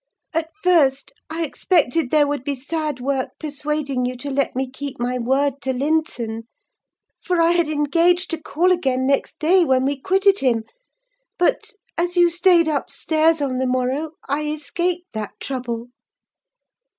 At first, I expected there would be sad work persuading you to let me keep my word to Linton: for I had engaged to call again next day, when we quitted him; but, as you stayed upstairs on the morrow, I escaped that trouble.